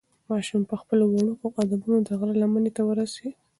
ماشوم په خپلو وړوکو قدمونو د غره لمنې ته ورسېد.